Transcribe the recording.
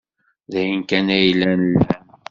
D ayen kan ay llan lan.